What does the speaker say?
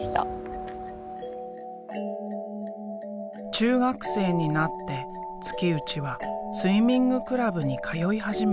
中学生になって月内はスイミングクラブに通い始めた。